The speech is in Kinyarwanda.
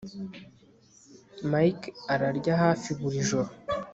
Mike ararya hafi buri joro